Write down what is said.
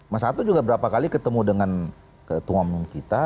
mas hato juga berapa kali ketemu dengan ketua umum kita